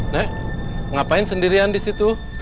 nek ngapain sendirian disitu